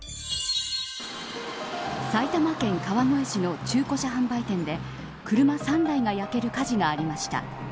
埼玉県川越市の中古車販売店で車３台が焼ける火事がありました。